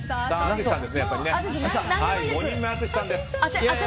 ５人目、淳さんです。